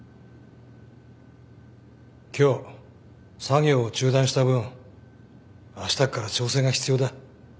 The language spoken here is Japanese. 今日作業を中断した分あしたっから調整が必要だ。